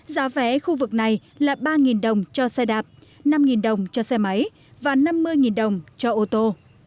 giá vé khu vực này là ba đồng cho xe đạp năm đồng cho xe máy và năm mươi đồng cho ô tô